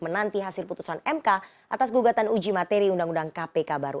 menanti hasil putusan mk atas gugatan uji materi undang undang kpk baru